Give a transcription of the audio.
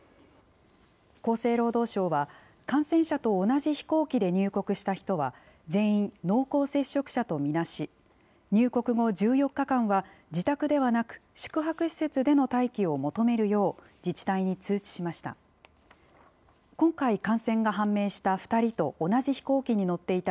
厚生労働省は、感染者と同じ飛行機で入国した人は、全員濃厚接触者と見なし、入国後１４日間は、自宅ではなく、宿泊施設での待機を求めるよう、自治体に通知しました。